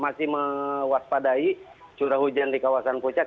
masih mewaspadai curah hujan di kawasan puncak